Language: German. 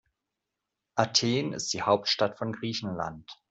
Athen ist die Hauptstadt von Griechenland.